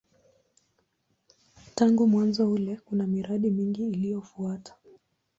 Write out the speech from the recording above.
Tangu mwanzo ule kuna miradi mingi iliyofuata.